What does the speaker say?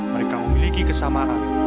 mereka memiliki kesamaan